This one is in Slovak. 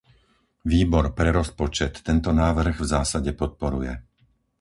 Výbor pre rozpočet tento návrh v zásade podporuje.